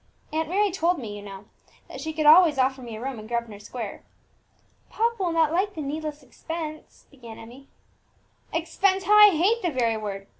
Aunt Mary told me, you know, that she could always offer me a room in Grosvenor Square." "Papa will not like the needless expense," began Emmie. "Expense! how I hate the very word!